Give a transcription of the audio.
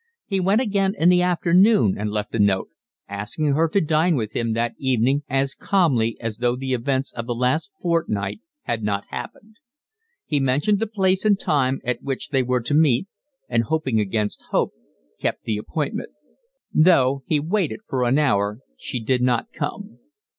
He went again in the afternoon and left a note, asking her to dine with him that evening as calmly as though the events of the last fortnight had not happened. He mentioned the place and time at which they were to meet, and hoping against hope kept the appointment: though he waited for an hour she did not come.